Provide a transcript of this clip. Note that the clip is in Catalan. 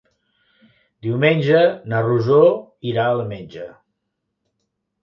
Diumenge na Rosó irà al metge.